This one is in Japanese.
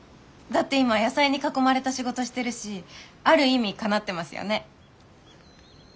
だって今野菜に囲まれた仕事してるしある意味かなってますよね。